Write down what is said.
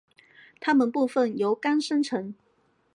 它们部分由肝生成。